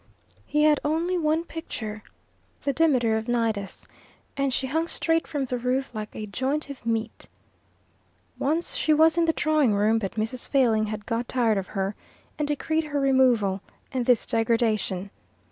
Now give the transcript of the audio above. He had only one picture the Demeter of Onidos and she hung straight from the roof like a joint of meat. Once she was in the drawing room; but Mrs. Failing had got tired of her, and decreed her removal and this degradation.